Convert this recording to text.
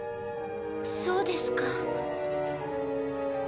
そうですか。